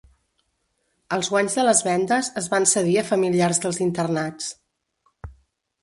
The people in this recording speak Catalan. Els guanys de les vendes es van cedir a familiars dels internats.